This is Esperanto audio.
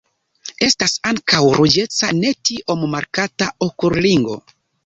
Estas ankaŭ ruĝeca ne tiom markata okulringo.